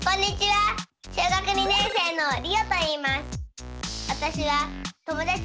小学２年生のりおといいます。